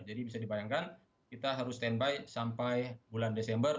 jadi bisa dibayangkan kita harus standby sampai bulan desember